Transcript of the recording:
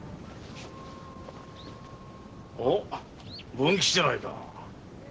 文吉じゃないか。